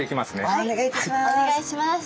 はいお願いします。